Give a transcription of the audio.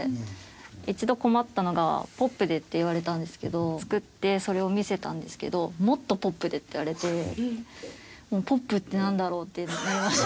一度困ったのが「ポップで」って言われたんですけど作ってそれを見せたんですけど「もっとポップで」って言われてポップってなんだろう？って思いました。